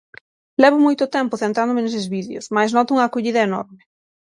Levo moito tempo centrándome neses vídeos, mais noto unha acollida enorme.